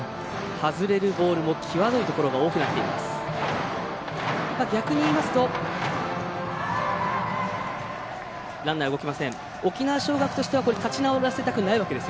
外れるボールも際どいところが多くなっています。